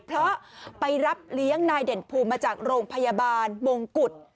เพราะไปรับเลี้ยงนายเด่นภูมิมาจากโรงพยาบาลมงกุฎ